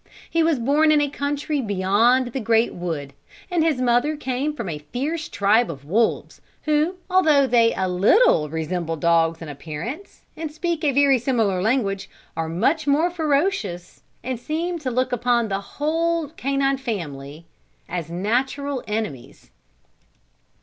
He was born in a country beyond the great wood, and his mother came from a fierce tribe of wolves, who, although they a little resemble dogs in appearance, and speak a very similar language, are much more ferocious, and seem to look upon the whole canine family as natural enemies.